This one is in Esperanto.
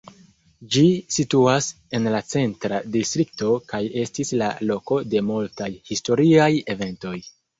Ĝi situas en la Centra Distrikto kaj estis la loko de multaj historiaj eventoj.